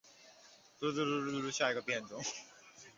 大宜昌鳞毛蕨为鳞毛蕨科鳞毛蕨属下的一个变种。